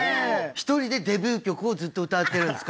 １人でデビュー曲をずっと歌われてるんですか？